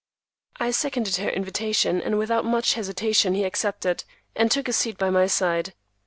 I seconded her invitation, and without much hesitation he accepted, and took a seat by my side.